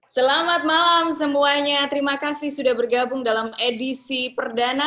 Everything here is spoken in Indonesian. selamat malam semuanya terima kasih sudah bergabung dalam edisi perdana